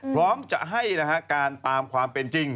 พร้อมจะให้นะฮะการตามความเป็นจริง